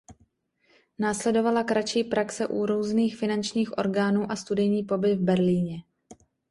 Následovala kratší praxe u různých finančních orgánů a studijní pobyt v Berlíně.